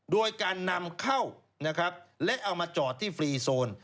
โดยการนำเข้านะครับและเอามาจอดที่ฟรีโซน